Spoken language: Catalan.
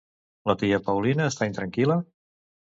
La tia Paulina està intranquil·la?